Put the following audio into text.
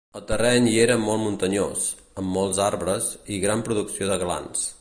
El terreny hi era molt muntanyós, amb molts arbres i gran producció de glans.